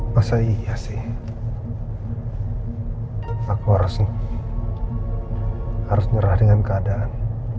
masa iya sih aku harus harus nyerah dengan keadaan